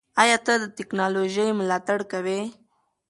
ایا ته د ټیکنالوژۍ ملاتړ کوې؟